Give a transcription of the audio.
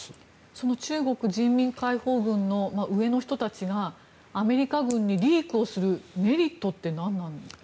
その中国人民解放軍の上の人たちがアメリカ軍にリークをするメリットってなんなんでしょう。